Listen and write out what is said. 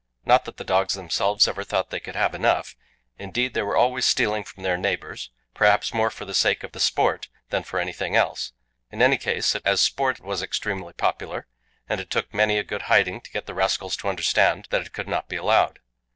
Not that the dogs themselves ever thought they could have enough; indeed, they were always stealing from their neighbours, perhaps more for the sake of the sport than for anything else. In any case, as a sport it was extremely popular, and it took many a good hiding to get the rascals to understand that it could not be allowed.